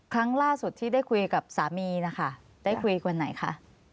ครั้งล่าสุดที่ได้คุยกับสามีนะคะได้คุยคนไหนคะ